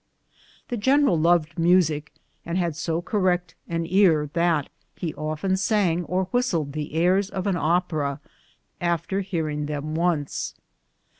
The general loved music, and had so correct an ear GARRISON AMUSEMENTS. 217 that lie often sang or whistled the airs of an opera after hearing them once.